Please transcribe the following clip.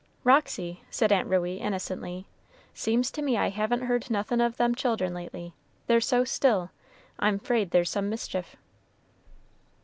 "Roxy," said Aunt Ruey innocently, "seems to me I haven't heard nothin' o' them children lately. They're so still, I'm 'fraid there's some mischief."